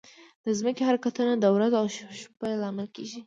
د ځمکې حرکتونه د ورځ او شپه لامل کېږي.